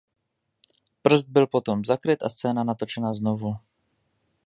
Prst byl potom zakryt a scéna natočena znovu.